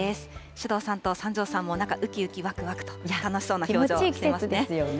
首藤さんと三條さんも、なんかうきうきわくわくと、楽しそうな表気持ちいい季節ですよね。